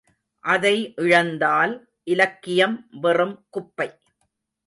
அதை இழந்தால் இலக்கியம் வெறும் குப்பை.